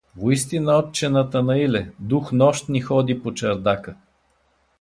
— Воистина, отче Натанаиле, дух нощни ходи по чардака.